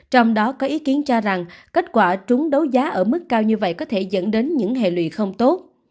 trong đó có ý kiến cho rằng kết quả trúng đấu giá ở mức cao như vậy có thể dẫn đến những hệ lụy không tốt